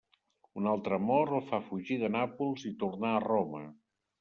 Un altre amor el fa fugir de Nàpols i tornar a Roma.